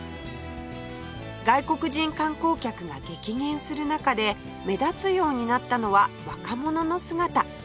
外国人観光客が激減する中で目立つようになったのは若者の姿